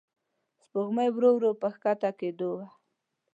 سپوږمۍ ورو ورو په کښته کېدو وه.